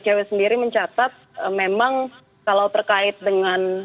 icw sendiri mencatat memang kalau terkait dengan